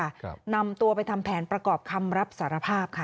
ครับนำตัวไปทำแผนประกอบคำรับสารภาพค่ะ